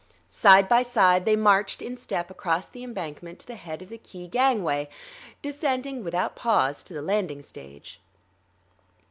Side by side they marched in step across the embankment to the head of the Quai gangway, descending without pause to the landing stage.